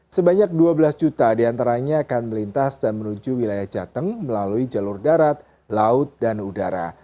sebanyak dua belas juta diantaranya akan melintas dan menuju wilayah jateng melalui jalur darat laut dan udara